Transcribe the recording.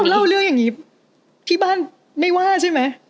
เล่าเรื่องอย่างนี้ที่บ้านไม่ว่าใช่ไหม